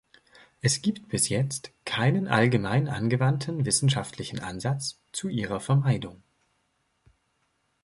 Es gibt bis jetzt keinen allgemein angewandten wissenschaftlichen Ansatz zu ihrer Vermeidung.